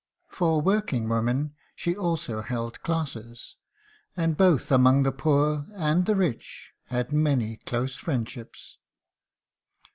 For working women she also held classes, and both among the poor and the rich had many close friendships.